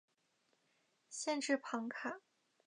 县治庞卡。